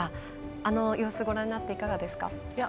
あの様子、ご覧になっていかがですか？